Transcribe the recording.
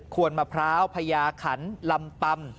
วนมะพร้าวพญาขันลำปำ